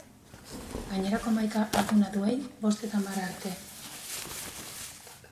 Gainerako hamaika arduradunei bost eta hamar urte arteko zigorrak ezarri dizkiete.